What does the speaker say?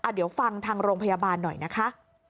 เดี๋ยวฟังทางโรงพยาบาลหน่อยนะคะ